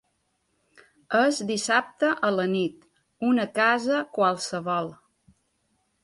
És dissabte a la nit, una casa qualsevol.